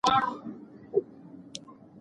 په بریتانیا کې د څېړنې پایلې خپرې شوې دي.